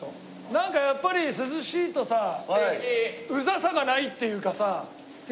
なんかやっぱり涼しいとさウザさがないっていうかさ。